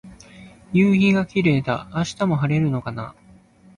夕陽がキレイだ。明日も晴れるのかな。